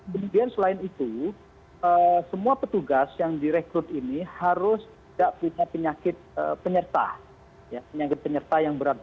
kemudian selain itu semua petugas yang direkrut ini harus tidak punya penyakit penyerta yang berat